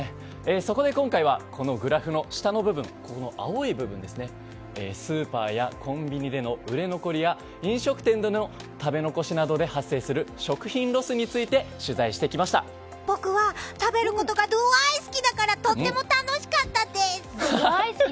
そこで今回はこのグラフの下の青い部分スーパーやコンビニでの売れ残りや飲食店での食べ残しなどで発生する食品ロスについて僕は食べることが大好きだからとっても楽しかったです！